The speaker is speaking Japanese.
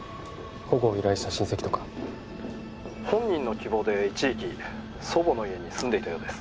保護を依頼した親戚とか☎本人の希望で一時期祖母の家に住んでいたようです